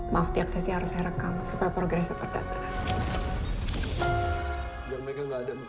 maaf tiap sesi harus saya rekam supaya progresnya terdata